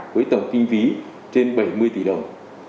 với tổng kinh phí trên bảy mươi tỷ đồng